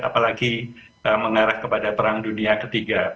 apalagi mengarah kepada perang dunia ketiga